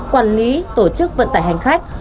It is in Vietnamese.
quản lý tổ chức vận tải hành khách